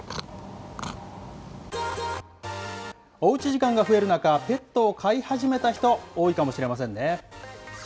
おうち時間が増える中、ペットを飼い始めた人、多いかもしれませんね。